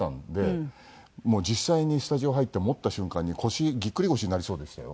もう実際にスタジオ入って持った瞬間に腰ぎっくり腰になりそうでしたよ。